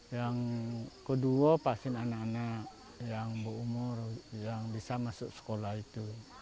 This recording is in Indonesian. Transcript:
yang kedua pasien anak anak yang berumur yang bisa masuk sekolah itu